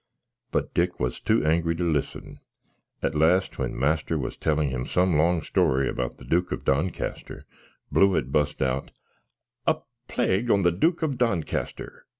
But Dick was too angry to listen; at last when master was telling him some long stoary about the Duke of Doncaster, Blewitt bust out "A plague on the Duke of Doncaster!